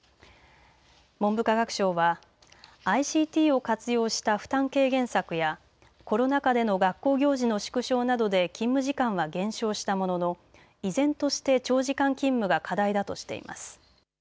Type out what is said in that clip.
文部科学省はＩＣＴを活用した負担軽減策やコロナ禍での学校行事の縮小などで勤務時間は減少したものの依然として長時間勤務が課題だとしています。